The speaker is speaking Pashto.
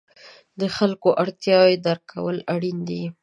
د خلکو اړتیاوې درک کول اړین دي.